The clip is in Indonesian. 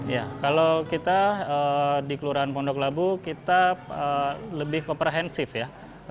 ya kalau kita di kelurahan pondok labu kita lebih komprehensif ya